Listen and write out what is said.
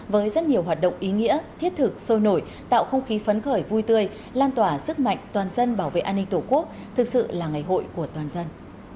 với rất nhiều hoạt động ý nghĩa thiết thực sôi nổi tạo không khí phấn khởi vui tươi lan tỏa sức mạnh toàn dân bảo vệ an ninh tổ quốc thực sự là ngày hội của toàn dân